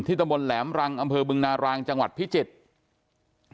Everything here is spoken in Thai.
ตะบนแหลมรังอำเภอบึงนารางจังหวัดพิจิตร